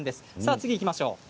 次にいきましょう。